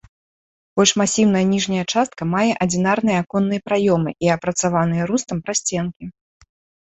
Больш масіўная ніжняя частка мае адзінарныя аконныя праёмы і апрацаваныя рустам прасценкі.